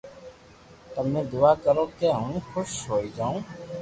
تمي دعا ڪرو ڪي ھون خوݾ ھوئي جاو